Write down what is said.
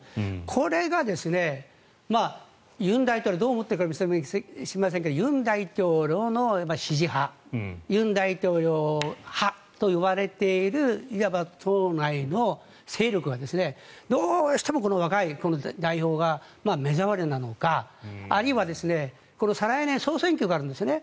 これが尹大統領はどう思っているか知りませんが尹大統領の支持派尹大統領派といわれているいわば党内の勢力がどうしてもこの若い代表が目障りなのか、あるいは再来年、総選挙があるんですね。